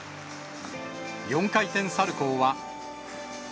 ４回転サルコーは。